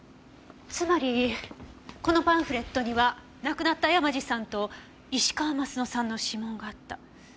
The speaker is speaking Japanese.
つまりこのパンフレットには亡くなった山路さんと石川鱒乃さんの指紋があった。